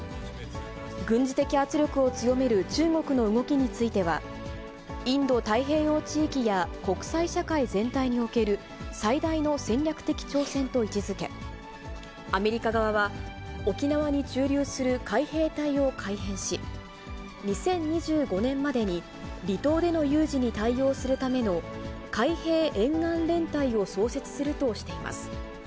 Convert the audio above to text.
軍事的圧力を強める中国の動きについては、インド太平洋地域や国際社会全体における最大の戦略的挑戦と位置づけ、アメリカ側は沖縄に駐留する海兵隊を改編し、２０２５年までに離島での有事に対応するための海兵沿岸連隊を創設するとしています。